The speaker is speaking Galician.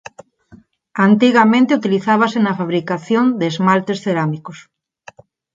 Antigamente utilizábase na fabricación de esmaltes cerámicos.